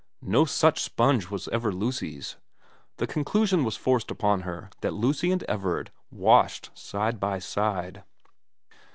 No such sponge was ever Lucy's. The conclusion was forced upon her that Lucy and Everard washed side by side.